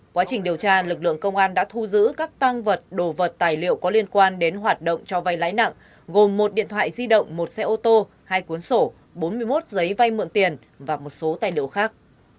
quá trình điều tra lực lượng công an đã thu giữ các tăng vật đồ vật tài liệu có liên quan đến hoạt động cho vay lãi nặng gồm một điện thoại di động một xe ô tô hai cuốn sổ bốn mươi một giấy vay mượn tiền và một số tài liệu khác